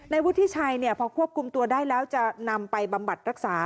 วุฒิชัยพอควบคุมตัวได้แล้วจะนำไปบำบัดรักษา